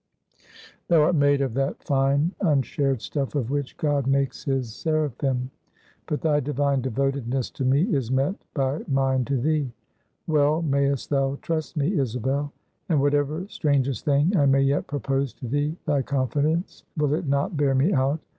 "Thou art made of that fine, unshared stuff of which God makes his seraphim. But thy divine devotedness to me, is met by mine to thee. Well mayest thou trust me, Isabel; and whatever strangest thing I may yet propose to thee, thy confidence, will it not bear me out?